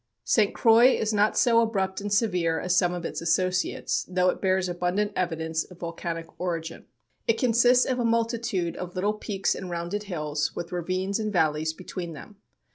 St. Croix is not so abrupt and severe as some of its associates, though it bears abundant evidences of volcanic origin. It consists of a multitude of little peaks and rounded hills, with ravines and valleys between them.